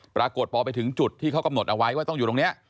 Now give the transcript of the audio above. ปรากฏพอไปถึงจุดที่เขากำหนดเอาไว้ว่าต้องอยู่ตรงนี้